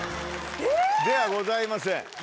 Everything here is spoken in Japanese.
えぇ？ではございません。